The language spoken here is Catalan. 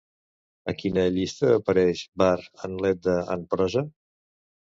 A quina llista apareix Vár en l'Edda en prosa?